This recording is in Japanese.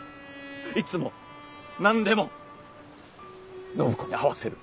いつも何でも暢子に合わせる。